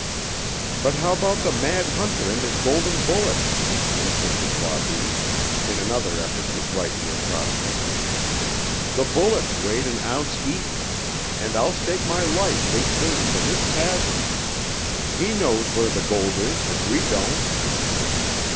"But how about the mad hunter and his golden bullets?" insisted Wabi, in another effort to brighten their prospects. "The bullets weighed an ounce each, and I'll stake my life they came from this chasm. He knows where the gold is, if we don't!"